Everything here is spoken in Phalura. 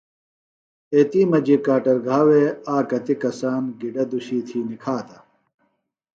ایتی مجیۡ کاٹر گھا وے آک کتیۡ کسان گِڈہ دُشی تھی نِکھاتہ